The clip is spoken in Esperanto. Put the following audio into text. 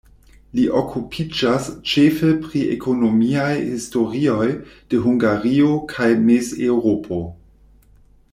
Li okupiĝas ĉefe pri ekonomiaj historioj de Hungario kaj Mez-Eŭropo.